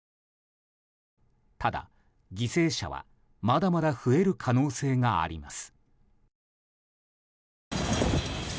ただ犠牲者はまだまだ増える可能性があります。